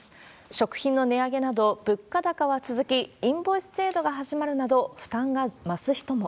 食品の値上げなど物価高が続き、インボイス制度が始まるなど、負担が増す人も。